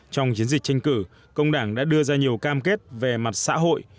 trong chiến dịch tranh cử công đảng đã đưa ra nhiều cam kết về mặt xã hội